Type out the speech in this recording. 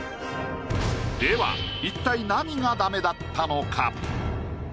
では一体何がダメだったのか？